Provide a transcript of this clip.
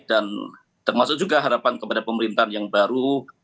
dan termasuk juga harapan kepada pemerintahan yang baru